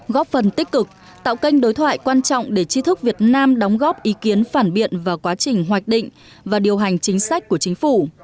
góp phần tích cực tạo kênh đối thoại quan trọng để tri thức việt nam đóng góp ý kiến phản biện vào quá trình hoạch định và điều hành chính sách của chính phủ